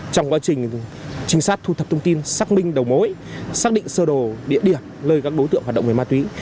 trong quá trình trinh sát thu thập thông tin xác minh đầu mối xác định sơ đồ địa điểm nơi các đối tượng hoạt động về ma túy